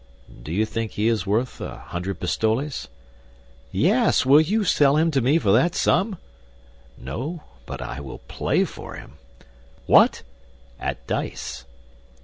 'Do you think he is worth a hundred pistoles?' 'Yes! Will you sell him to me for that sum?' 'No; but I will play for him.' 'What?' 'At dice.